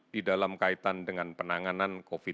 di dalam kaitan dengan penanganan covid sembilan belas